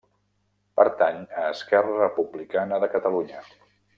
Pertany a Esquerra Republicana de Catalunya.